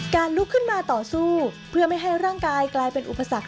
ลุกขึ้นมาต่อสู้เพื่อไม่ให้ร่างกายกลายเป็นอุปสรรค